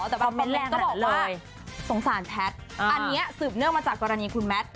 แต่บางคอมเมนต์ก็บอกว่าสงสารแพทย์อันนี้สืบเนื้อมาจากกรณีคุณแมท